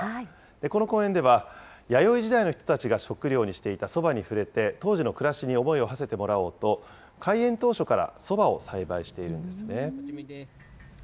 この公園では、弥生時代の人たちが食糧にしていたソバに触れて、当時の暮らしに思いをはせてもらおうと、開園当初からソバを栽培しているんですね。